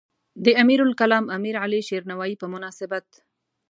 د امیرالکلام امیرعلی شیرنوایی په مناسبت.